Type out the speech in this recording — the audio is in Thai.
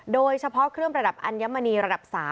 โดยเฉพาะเครื่องประดับอัญมณีระดับ๓